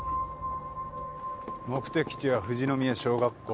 目的地は藤ノ宮小学校。